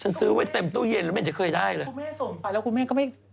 ฉันซื้อไว้เต็มตู้เย็นแล้วไม่จะเคยได้เลย